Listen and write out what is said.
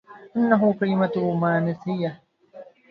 انها كلمة رومانسية.